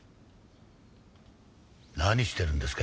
何してるんですか？